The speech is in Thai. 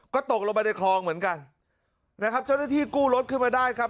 ก็ตกลงไปในคลองเหมือนกันนะครับเจ้าหน้าที่กู้รถขึ้นมาได้ครับ